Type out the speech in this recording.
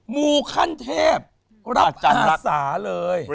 มูขั้นเทพรับอาสาเลย